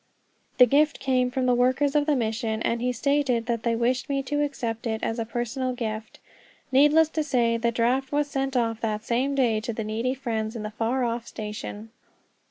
The gift came from the workers of the mission, and he stated that they wished me to accept it as a personal gift. Needless to say, the draft was sent off that same day to the needy friends in the far off station.